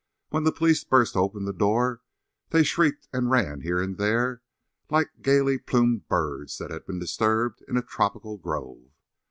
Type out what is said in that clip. When the police burst open the door they shrieked and ran here and there like gayly plumed birds that had been disturbed in a tropical grove.